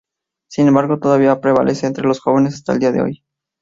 Sin embargo, todavía prevalece entre los jóvenes hasta el día de hoy.